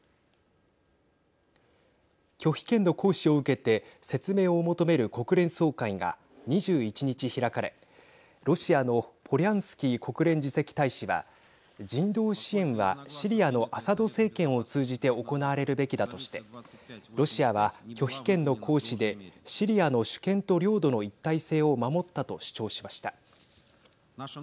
拒否権の行使を受けて説明を求める国連総会が２１日、開かれロシアのポリャンスキー国連次席大使は人道支援はシリアのアサド政権を通じて行われるべきだとしてロシアは、拒否権の行使でシリアの主権と領土の一体性を守ったと主張しました。